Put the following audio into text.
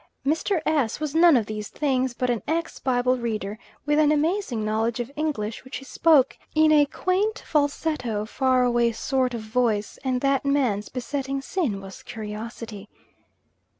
Mr. S. was none of these things, but an ex Bible reader, with an amazing knowledge of English, which he spoke in a quaint, falsetto, far away sort of voice, and that man's besetting sin was curiosity.